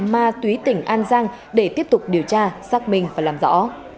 ma túy tỉnh an giang để tiếp tục điều tra xác minh và làm rõ